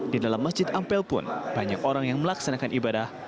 di dalam masjid ampel pun banyak orang yang melaksanakan ibadah